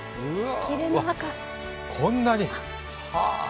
こんなに。